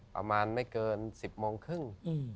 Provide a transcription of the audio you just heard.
ประมาณไม่เกิน๑๐โมงครึ่ง